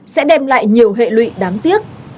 sẽ đem lại nhiều hệ lụy đáng tiếc